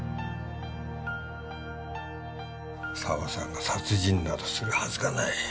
沢さんが殺人などするはずがない。